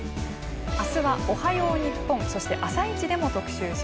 明日は「おはよう日本」そして「あさイチ」でも特集します。